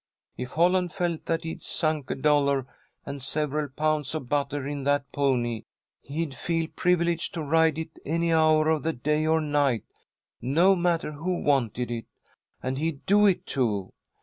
If Holland felt that he'd sunk a dollar and several pounds of butter in that pony, he'd feel privileged to ride it any hour of the day or night, no matter who wanted it, and he'd do it, too.